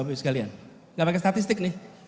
tidak pakai statistik nih